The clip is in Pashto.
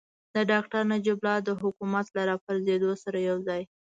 د ډاکتر نجیب الله د حکومت له راپرځېدو سره یوځای.